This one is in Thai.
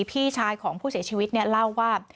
พี่ชายของผู้เสียชีวิตเนี่ยเล่าว่า